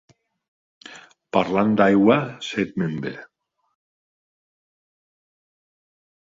Parlant d'aigua, set me'n ve.